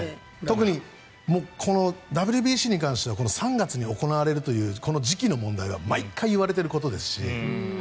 特にＷＢＣに関しては３月に行われるという時期の問題は毎回、言われてることですし。